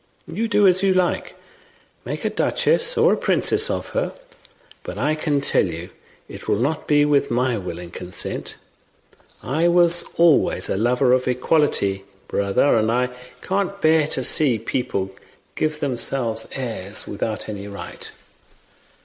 You do as you like, make a duchess or a princess of her, but I can tell you it will not be with my will and consent. I was always a lover of equality, brother, and I can't bear to see people give themselves airs without any right.